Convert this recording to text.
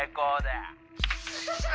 よっしゃ！